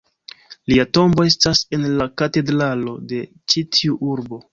Lia tombo estas en la katedralo de ĉi tiu urbo.